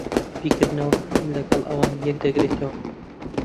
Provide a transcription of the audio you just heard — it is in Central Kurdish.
بیرکردنەوەکانم لەگەڵ ئەوان یەک دەگرێتەوە.